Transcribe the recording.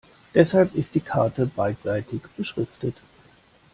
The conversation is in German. Deshalb ist die Karte beidseitig beschriftet.